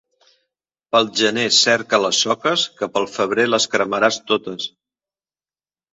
Pel gener cerca les soques, que pel febrer les cremaràs totes.